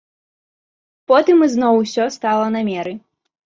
Потым ізноў усё стала на меры.